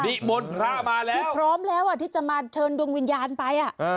นี่มนต์พระมาแล้วที่พร้อมแล้วที่จะมาเชิญดวงวิญญาณไป